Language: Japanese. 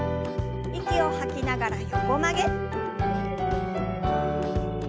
息を吐きながら横曲げ。